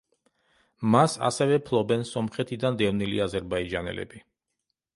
მას ასევე ფლობენ სომხეთიდან დევნილი აზერბაიჯანელები.